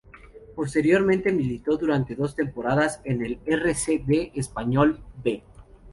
Posteriormente, militó durante dos temporadas en el R. C. D. Español "B".